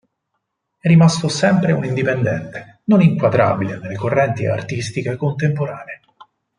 È rimasto sempre un indipendente, non inquadrabile nelle correnti artistiche contemporanee.